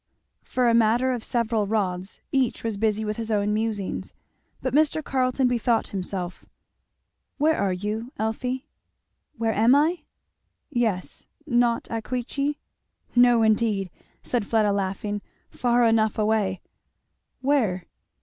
For a matter of several rods each was busy with his own musings. But Mr. Carleton bethought himself. "Where are you, Elfie?" "Where am I?" "Yes Not at Queechy?" "No indeed," said Fleda laughing. "Far enough away." "Where?"